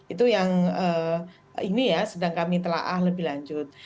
itu yang ini ya sedang kami telah lebih lanjut